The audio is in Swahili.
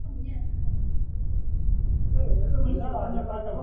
Wanatumia hasa matamshi mbalimbali ya lugha ya Kichina